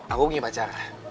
aku punya pacar